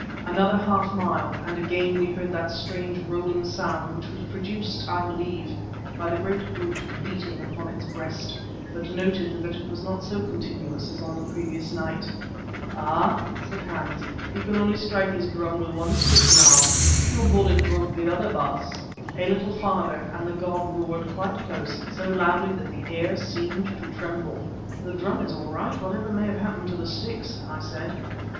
Another half mile and again we heard that strange rolling sound which was produced, I believe, by the great brute beating upon its breast, but noted that it was not so continuous as on the previous night. "Ha!" said Hans, "he can only strike his drum with one stick now. Your bullet broke the other, Baas." A little farther and the god roared quite close, so loudly that the air seemed to tremble. "The drum is all right, whatever may have happened to the sticks," I said.